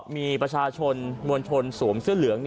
มีประชาชนมวลชนสวมเสื้อเหลือง